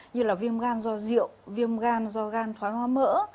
như là viêm gan do rượu viêm gan do gan thoái hoa mỡ